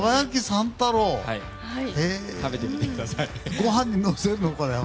ご飯にのせるの？